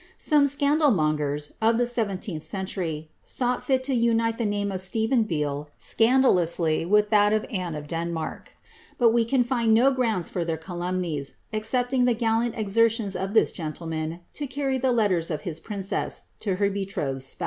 Some scandal mongers^ of the seventeenth century, thought fit to unite the name of Steven Beale scandalously with that of Anne of Denmark ; but we can find no grounds for their calumnies, excepting the gallant exertions of this gentleman to carry the letters of his princess to her betrothed spouse.